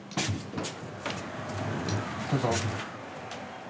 どうぞ。